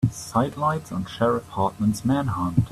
Sidelights on Sheriff Hartman's manhunt.